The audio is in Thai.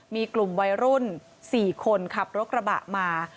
มีกลุ่มวัยรุ่น๔คนขับรถกระบะมา